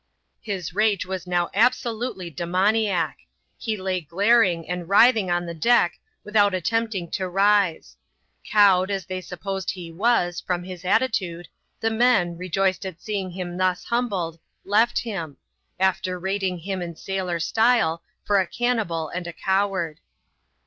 Hie rage was now absolutely demoniac ; he lay glaring, and writhing on the deck, without attempting to rise. Cowed, as they supposed he was, from his attitude, the men, rejoiced at seeing him thus humbled, left him ; after rating him in sailor style, for a cannibal and a coward.